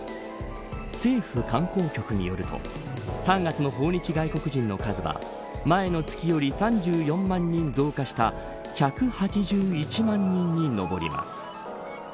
政府観光局によると３月の訪日外国人の数は前の月より３４万人増加した１８１万人にのぼります。